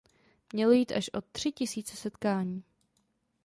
Mělo jít až o tři tisíce setkání.